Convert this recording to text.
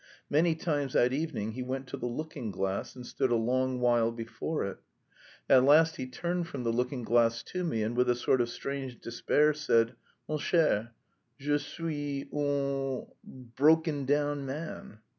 Many times that evening he went to the looking glass, and stood a long while before it. At last he turned from the looking glass to me, and with a sort of strange despair, said: "Mon cher, je suis un broken down man."